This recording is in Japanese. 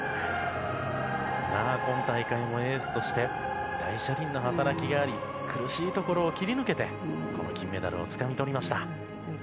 今大会もエースとして大車輪の働きがあり苦しいところを切り抜けてこの金メダルをつかみとりました。